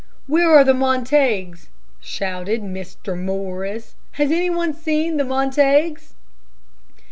"Where are the Montagues?" shouted Mr. Morris. "Has any one seen the Montagues?"